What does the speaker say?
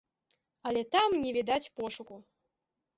Але там не відаць пошуку.